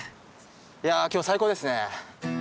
いや今日は最高ですね。